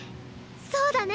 そうだね！